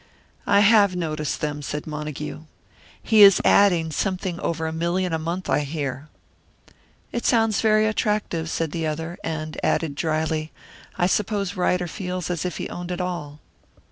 "I have noticed them," said Montague. "He is adding something over a million a month, I hear." "It sounds very attractive," said the other; and added, drily, "I suppose Ryder feels as if he owned it all."